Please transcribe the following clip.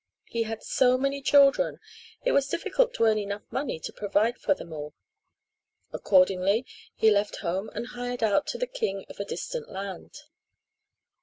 He had so many children it was difficult to earn money enough to provide for them all. Accordingly, he left home and hired out to the king of a distant land.